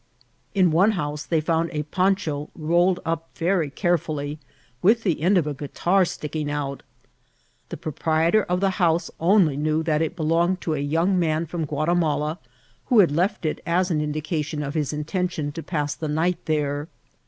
In one house they found a poncha rolled up very carefully, with the end of a guitar sticking out. The proprietor of the house only knew that it belonged to a young man from Guatimala, who had left it as an indication of his intention to pass the night there.